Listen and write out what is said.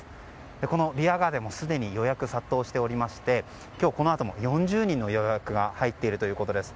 このビアガーデンすでに予約が殺到しておりまして今日、このあとも４０人の予約が入っているということです。